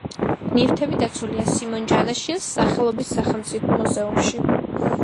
ნივთები დაცულია სიმონ ჯანაშიას სახელობის სახელმწიფო მუზეუმში.